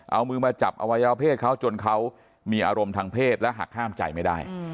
เอามือมาจับอวัยวะเพศเขาจนเขามีอารมณ์ทางเพศและหักห้ามใจไม่ได้